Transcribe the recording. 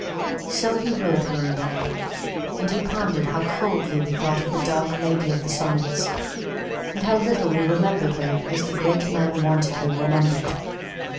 So he wrote one day, when he pondered how coldly we thought of the "Dark Lady of the Sonnets," and how little we remembered her as the great man wanted her remembered.